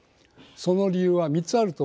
その理由は３つあると思います。